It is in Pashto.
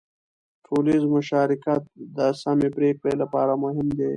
ټولنیز مشارکت د سمې پرېکړې لپاره مهم دی.